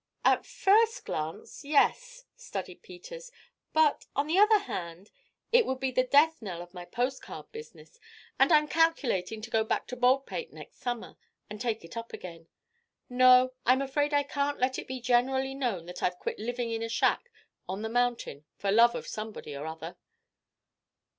"At first glance, yes," studied Peters. "But, on the other hand, it would be the death knell of my post card business, and I'm calculating to go back to Baldpate next summer and take it up again. No, I'm afraid I can't let it be generally known that I've quit living in a shack on the mountain for love of somebody or other."